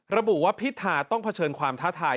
ระบุว่าพิธาต้องเผชิญความท้าทาย